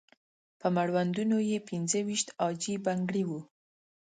په مړوندونو یې پنځه ويشت عاجي بنګړي وو.